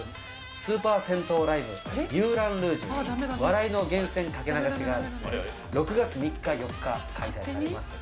スーパー銭湯ライブ、ユーランルージュ笑いの源泉かけ流し！が６月３日、４日開催されます。